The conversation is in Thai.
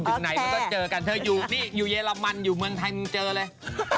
ถึงไหนมันก็เจอกันเธออยู่นี่อยู่เยอรมันอยู่เมืองไทยมันเจอเลย